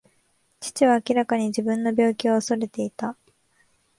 父は明らかに自分の病気を恐れていた。